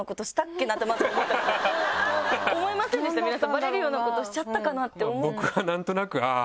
バレるようなことしちゃったかなって。